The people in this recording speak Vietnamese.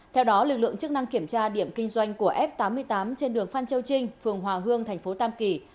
theo đó lực lượng chức năng kiểm tra điểm kinh doanh của f tám mươi tám trên đường phan châu trinh phường hòa hương thành phố tam kỳ